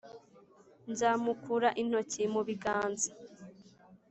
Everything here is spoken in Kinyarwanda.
'nzamukura intoki mu biganza,